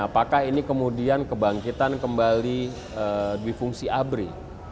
apakah ini kemudian kebangkitan kembali di fungsi abri